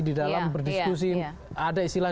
didalam berdiskusi ada istilah